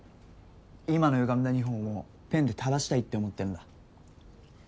今のゆがんだ日本をペンで正したいって思ってんだ。